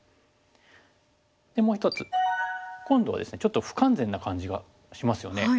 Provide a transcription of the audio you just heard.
でもう一つ今度はですねちょっと不完全な感じがしますよね。